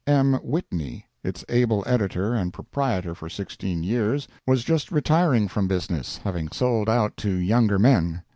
M. Whitney, its able editor and proprietor for sixteen years, was just retiring from business, having sold out to younger men.